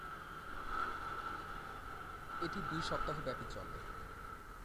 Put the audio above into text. এটি দুই সপ্তাহ ব্যাপী চলে।